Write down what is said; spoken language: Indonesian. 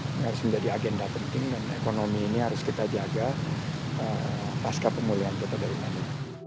ini harus menjadi agenda penting dan ekonomi ini harus kita jaga pasca pemulihan kota dari bandung